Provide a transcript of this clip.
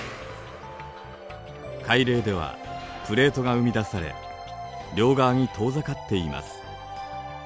海嶺ではプレートが生み出され両側に遠ざかっています。